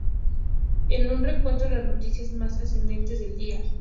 Es un recuento de las noticias más trascendentales del día.